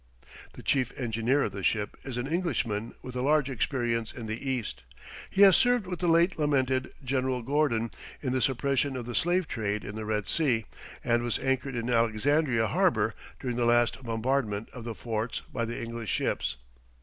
The chief engineer of the ship is an Englishman with a large experience in the East; he has served with the late lamented General Gordon in the suppression of the slave trade in the Red Sea, and was anchored in Alexandria harbor during the last bombardment of the forts by the English ships.